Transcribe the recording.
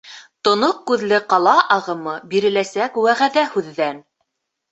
Тоноҡ күҙле ҡала ағымы Биреләсәк вәғәҙә һүҙҙән.